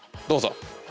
どうぞ。